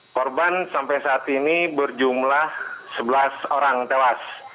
korban sampai saat ini berjumlah sebelas orang tewas